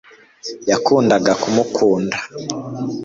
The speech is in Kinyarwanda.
yakundaga kumukunda